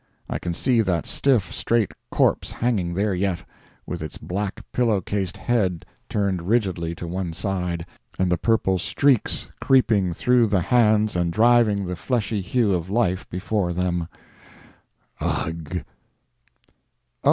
I can see that stiff, straight corpse hanging there yet, with its black pillow cased head turned rigidly to one side, and the purple streaks creeping through the hands and driving the fleshy hue of life before them. Ugh!